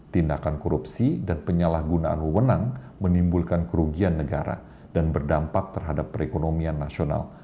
tindakan korupsi dan penyalahgunaan wewenang menimbulkan kerugian negara dan berdampak terhadap perekonomian nasional